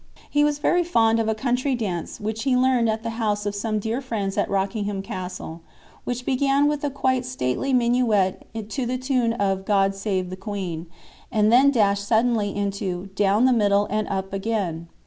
He was very fond of a country dance which he learned at the house of some dear friends at Rockingham Castle, which began with quite a stately minuet to the tune of "God save the Queen," and then dashed suddenly into "Down the Middle and up Again."